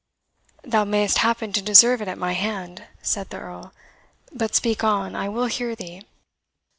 "Thou mayest happen to deserve it at my hand," said the Earl; "but speak on, I will hear thee."